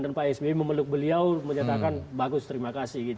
dan pak sby memeluk beliau menyatakan bagus terima kasih